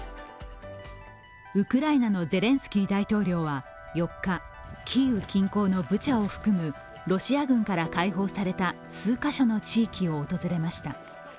ウクライナのゼレンスキー大統領は４日、キーウ近郊のブチャを含むロシア軍から解放された数カ所の地域を訪れました。